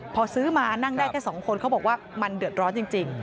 พอซื้อมานั่งได้แค่๒คนเขาบอกว่ามันเดือดร้อนจริง